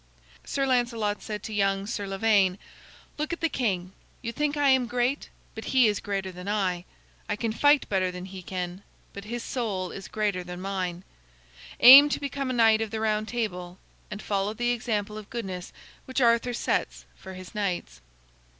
Sir Lancelot said to young Sir Lavaine: "Look at the king. You think I am great, but he is greater than I. I can fight better than he can, but his soul is greater than mine. Aim to become a Knight of the Round Table, and follow the example of goodness which Arthur sets for his knights."